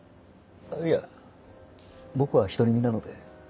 いや僕は独り身なので。